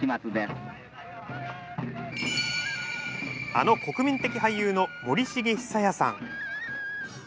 あの国民的俳優の森繁久彌さん。